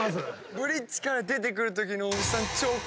ブリッジから出てくるときの小木さん。